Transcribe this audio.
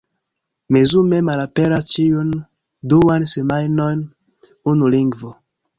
Mezume malaperas ĉiun duan semajnon unu lingvo.